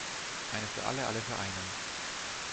Einer für alle, alle für einen!